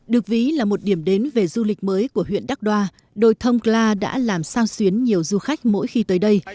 được ví là một điểm đến về du lịch mới của huyện đắc đoa đồi thông cla đã làm sao xuyến nhiều du khách mỗi khi tới đây